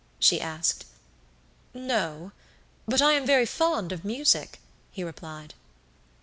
she asked. "No, but I am very fond of music," he replied.